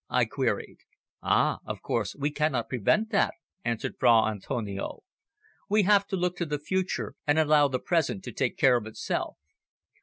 I queried. "Ah! of course we cannot prevent that," answered Fra Antonio. "We have to look to the future, and allow the present to take care of itself.